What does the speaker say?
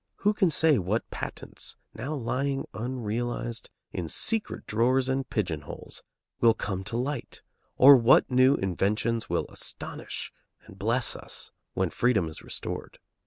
Who can say what patents now lying, unrealized, in secret drawers and pigeonholes, will come to light, or what new inventions will astonish and bless us, when freedom is restored?